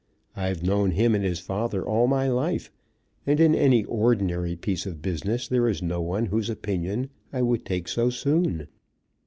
I've known him and his father all my life, and in any ordinary piece of business there is no one whose opinion I would take so soon.